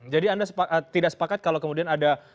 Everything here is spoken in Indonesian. jadi anda tidak sepakat kalau kemudian ada